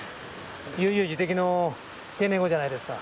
悠々自適の定年後じゃないですか。